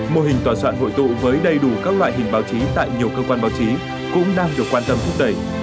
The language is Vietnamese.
mô hình tòa soạn hội tụ với đầy đủ các loại hình báo chí tại nhiều cơ quan báo chí cũng đang được quan tâm thúc đẩy